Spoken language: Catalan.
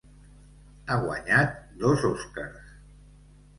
Ha guanyat dos Oscars.